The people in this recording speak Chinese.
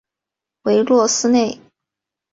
韦洛斯内。